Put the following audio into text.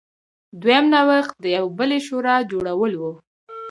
دویم نوښت د یوې بلې شورا جوړول و.